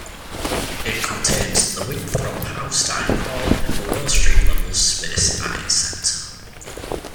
It contains the Winthrop House dining hall in a below-street-level space at its center.